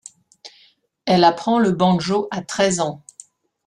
Elle apprend le banjo à treize ans.